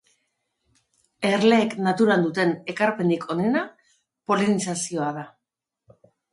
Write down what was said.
Erleek naturan duten ekarpenik onena polinizazioa da.